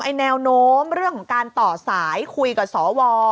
แนวโน้มเรื่องของการต่อสายคุยกับสว